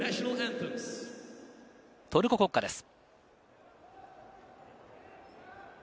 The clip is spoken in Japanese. トルコ国歌です。